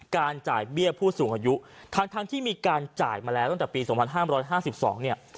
การจ่ายเบี้ยผู้สูงอายุทางทางที่มีการจ่ายมาแล้วตั้งแต่ปีสองพันห้ามร้อยห้าสิบสองเนี่ย